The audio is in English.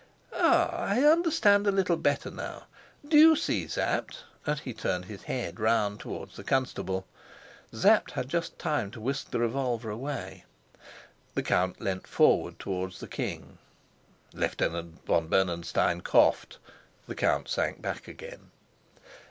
"Ah, I understand a little better now. Do you see, Sapt?" and he turned his head round towards the constable. Sapt had just time to whisk the revolver away. The count lent forward towards the king. Lieutenant von Bernenstein coughed. The count sank back again.